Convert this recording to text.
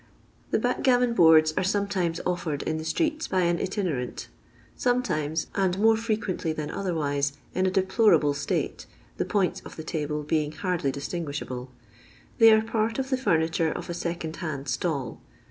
The backgammon boards are some times offered in the streets by an itinerant ; some times (and more frequwuly than otherwise in a deplorable state, the points of the table being hardly distinguishable) they are part of the furni ture of a second hand stall.